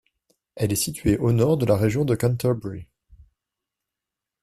Elle est située au nord de la région de Canterbury.